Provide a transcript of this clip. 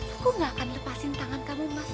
aku gak akan lepasin tangan kamu mas